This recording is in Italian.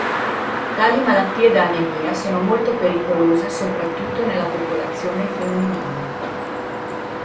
Tali malattie da anemia sono molto pericolose soprattutto nella popolazione femminile.